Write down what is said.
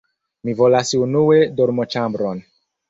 Mi volas unue dormoĉambron.